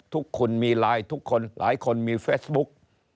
ทุกคนมีไลน์ทุกคนหลายคนมีเฟซบุ๊ก